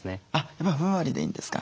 やっぱりふんわりでいいんですか？